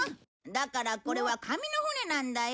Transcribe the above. だからこれは紙の船なんだよ。